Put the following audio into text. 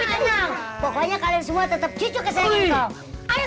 pokoknya kalian semua tetap cucu kesayang